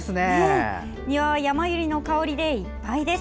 庭はヤマユリの香りでいっぱいです。